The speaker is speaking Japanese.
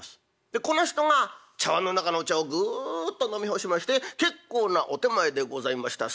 でこの人が茶わんの中のお茶をぐっと飲み干しまして「結構なお点前でございました」